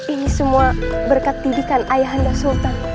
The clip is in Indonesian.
ini semua berkat didikan ayahanda sultan